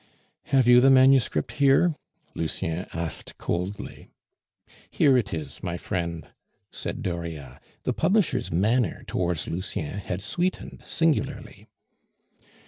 "Have you the manuscript here?" Lucien asked coldly. "Here it is, my friend," said Dauriat. The publisher's manner towards Lucien had sweetened singularly.